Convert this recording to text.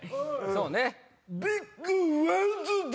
そうね。